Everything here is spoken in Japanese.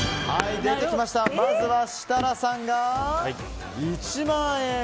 まずは設楽さんが１万円。